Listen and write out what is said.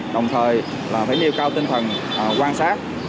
đồng thời phải nêu cao tinh thần quan sát